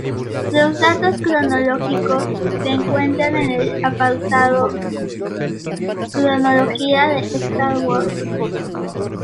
Los datos cronológicos se encuentran en el apartado Cronología de Star Wars.